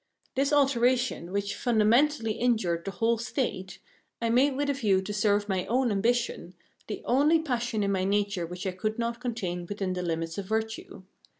This alteration, which fundamentally injured the whole State, I made with a view to serve my own ambition, the only passion in my nature which I could not contain within the limits of virtue.